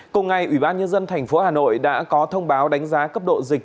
cùng ngày ủy ban nhân dân thành phố hà nội đã có thông báo đánh giá cấp độ dịch